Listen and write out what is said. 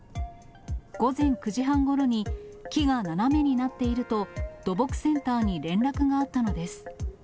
午前９時半ごろに、木が斜めになっていると、土木センターに連絡があったのです。